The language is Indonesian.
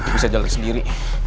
bisa jalani sendiri